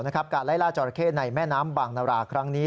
การไล่ล่าจราเข้ในแม่น้ำบางนาราครั้งนี้